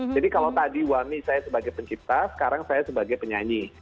kalau tadi wani saya sebagai pencipta sekarang saya sebagai penyanyi